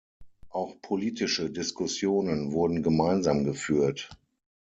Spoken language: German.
Auch politische Diskussionen wurden gemeinsam geführt.